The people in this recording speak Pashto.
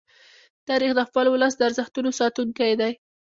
تاریخ د خپل ولس د ارزښتونو ساتونکی دی.